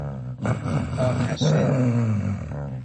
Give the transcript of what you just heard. آتشه